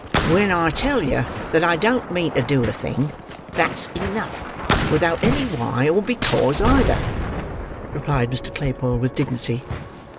"When I tell yer that I don't mean to do a thing, that's enough, without any why or because either," replied Mr. Claypole with dignity.